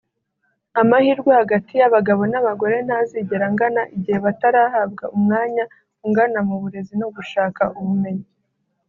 Amahirwe hagati y’abagabo n’abagore ntazigera angana igihe batarahabwa umwanya ungana mu burezi no gushaka ubumenyi